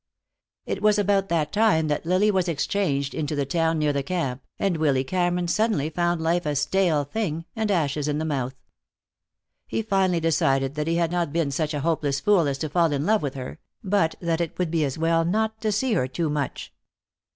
It was about that time that Lily was exchanged into the town near the camp, and Willy Cameron suddenly found life a stale thing, and ashes in the mouth. He finally decided that he had not been such a hopeless fool as to fall in love with her, but that it would be as well not to see her too much.